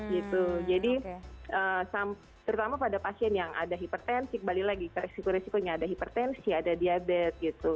gitu jadi terutama pada pasien yang ada hipertensi kembali lagi ke resiko resikonya ada hipertensi ada diabetes gitu